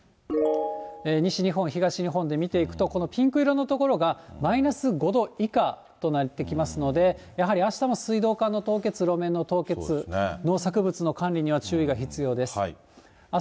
西日本、東日本で見ていくと、このピンク色の所がマイナス５度以下となってきますので、やはりあしたも水道管の凍結、路面の凍結、農作物の管理には注意が必要です。